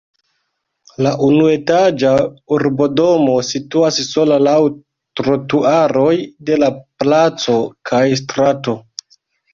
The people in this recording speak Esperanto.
La unuetaĝa urbodomo situas sola laŭ trotuaroj de la placo kaj strato.